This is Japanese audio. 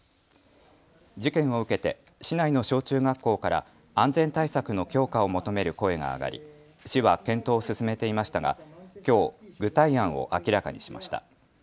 事件を受けて市内の小中学校から安全対策の強化を求める声が上がり、市は検討を進めていましたがきょう具体案を明らかにしました。